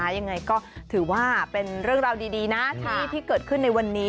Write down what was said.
ยังไงก็ถือว่าเป็นเรื่องราวดีนะที่เกิดขึ้นในวันนี้